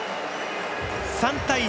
３対１